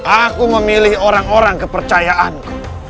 aku memilih orang orang kepercayaanku